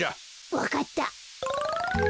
わかった。